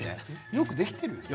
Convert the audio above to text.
よくできてるよね。